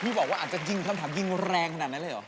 พี่บอกว่าอาจจะยิงก็ประโยชน์ยิงแรงขนาดนั้นเลยเหรอ